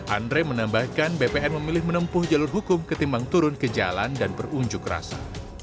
andre menambahkan bpn memilih menempuh jalur hukum ketimbang turun ke jalan dan berunjuk rasa